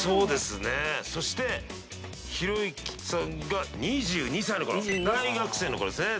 そしてひろゆきさんが２２歳だから大学生の頃ですね。